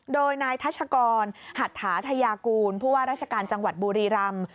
โดยนายทัชกรหัตถาธยากูลผู้ว่าราชการจังหวัดบุรีรำ